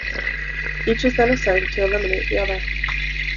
Each is then assigned to eliminate the other.